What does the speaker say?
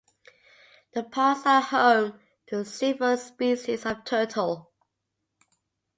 The ponds are home to several species of turtle.